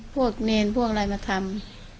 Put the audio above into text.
เนรพวกอะไรมาทำ